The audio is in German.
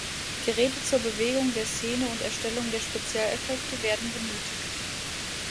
Geräte zur Bewegung der Szene und Erstellung der Spezialeffekte werden benötigt.